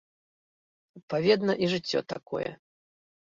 Адпаведна і жыццё такое.